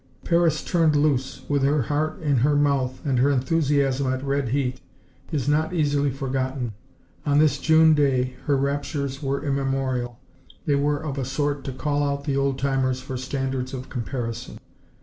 Paris turned loose, with her heart in her mouth and her enthusiasm at red heat, is not easily forgotten. On this June day her raptures were immemorial. They were of a sort to call out the old timers for standards of comparison.